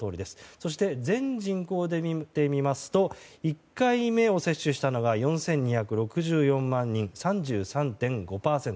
そして、全人口で見てみますと１回目を接種したのが４２６４万人、３３．５％。